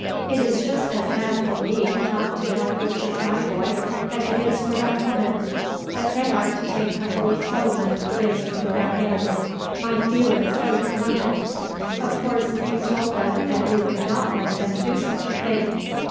It is just as bad for me not to know which is my boy as it is for that woman; but they are to take the whole settlement of things in their hands, my feelings to go for nothing. Of course you told them that you would not let them do such a thing?"